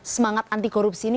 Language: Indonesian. semangat anti korupsi ini